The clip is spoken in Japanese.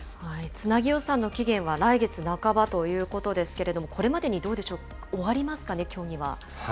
つなぎ予算の期限は来月半ばということですけれども、これまでにどうでしょう、終わりますかね、協議は。